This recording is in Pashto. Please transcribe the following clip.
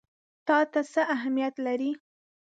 تا ته څه اهمیت لري؟